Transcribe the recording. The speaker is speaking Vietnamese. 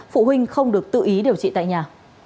phụ huynh không được tự ý điều trị tại nhà